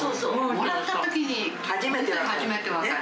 もらったときに初めて分かる。